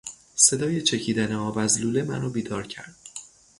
صدای چکیدن آب از لوله مرا بیدار کرد.